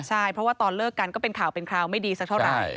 ใช่เพราะว่าตอนเลิกกันก็เป็นข่าวเป็นคราวไม่ดีสักเท่าไหร่